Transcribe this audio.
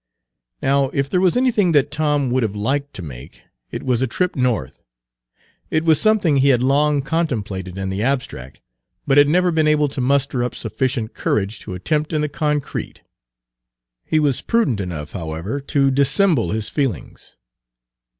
Now, if there was anything that Tom would have liked to make, it was a trip North. It was something he had long contemplated in the abstract, but had never been able to muster up sufficient courage to attempt in the concrete. He was prudent enough, however, to dissemble his feelings.